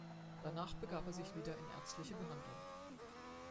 Danach begab er sich wieder in ärztliche Behandlung.